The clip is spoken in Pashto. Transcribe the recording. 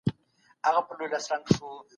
ورانکاري هغه عمل دی چې نظم له منځه وړي.